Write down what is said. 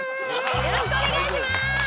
よろしくお願いします！